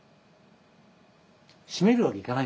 閉めるわけいかないんですよ